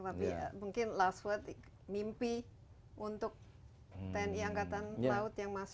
tapi mungkin last word mimpi untuk tni angkatan laut yang masih